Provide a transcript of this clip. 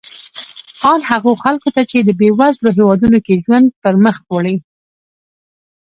ان هغو خلکو ته چې په بېوزلو هېوادونو کې ژوند پرمخ وړي.